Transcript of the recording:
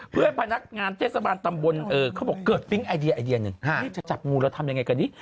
เพื่อนพนักงานเทศบาลตำบลเขาบอกเกิดปิ๊งไอเดียไอเดียหนึ่งนี่จะจับงูแล้วทำยังไงกันดี